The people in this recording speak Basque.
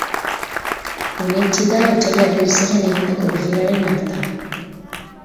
Onetsi da otsailaren seian egindako bileraren akta.